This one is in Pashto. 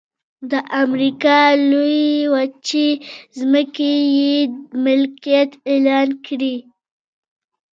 د امریکا لویې وچې ځمکې یې ملکیت اعلان کړې.